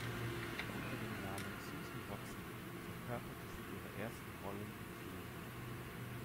Unter dem Namen "Susan Watson" verkörperte sie ihre ersten Rollen in Filmen.